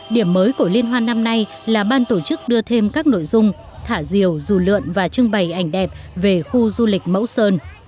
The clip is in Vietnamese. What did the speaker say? điểm mới của liên hoan năm nay là ban tổ chức đưa thêm các nội dung thả diều dù lượn và trưng bày ảnh đẹp về khu du lịch mẫu sơn